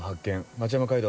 町山街道